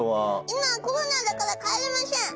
今コロナだから帰れません。